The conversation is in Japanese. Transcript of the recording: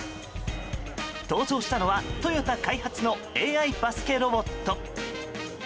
登場したのはトヨタ開発のＡＩバスケロボット。